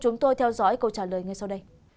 chúng tôi theo dõi câu trả lời ngay sau đây